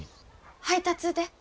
配達で。